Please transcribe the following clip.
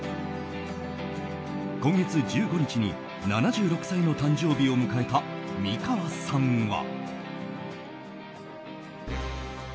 今月１５日に７６歳の誕生日を迎えた美川さんは。